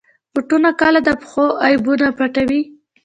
بوټونه کله د پښو عیبونه پټوي.